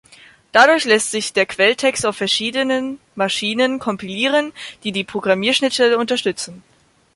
Dadurch lässt sich der Quelltext auf verschiedenen Maschinen kompilieren, die die Programmierschnittstelle unterstützen.